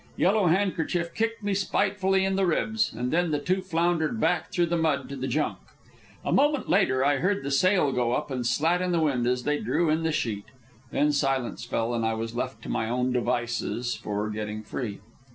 Yellow Handkerchief kicked me spitefully in the ribs, and then the trio floundered back through the mud to the junk. A moment later I heard the sail go up and slat in the wind as they drew in the sheet. Then silence fell, and I was left to my own devices for getting free.